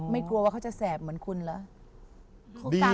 กลัวว่าเขาจะแสบเหมือนคุณเหรอ